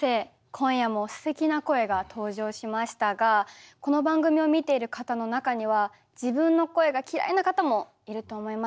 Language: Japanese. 今夜もすてきな声が登場しましたがこの番組を見ている方の中には自分の声が嫌いな方もいると思います。